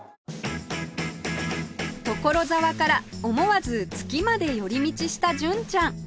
所沢から思わず月まで寄り道した純ちゃん